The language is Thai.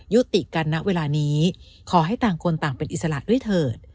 ยุติกันณเวลานี้ขอให้ต่างคนต่างเป็นอิสระด้วยเถิด